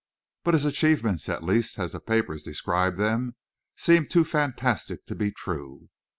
But his achievements, at least as the papers described them, seemed too fantastic to be true.